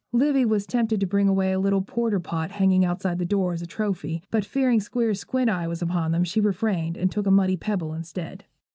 Livy was tempted to bring away a little porter pot hanging outside the door, as a trophy; but fearing Squeers's squint eye was upon her, she refrained, and took a muddy pebble instead.